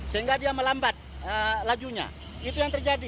sehingga dia melambat lajunya itu yang terjadi